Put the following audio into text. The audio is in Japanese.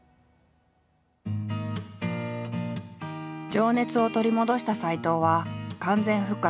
情熱を取り戻した斎藤は完全復活。